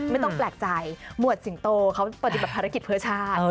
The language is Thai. ไม่ต้องแปลกใจหมวดสิงโตเขาปฏิบัติภารกิจเพื่อชาติ